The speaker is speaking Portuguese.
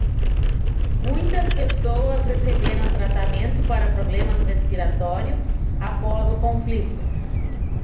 Muitas pessoas receberam tratamento para problemas respiratórios após o conflito.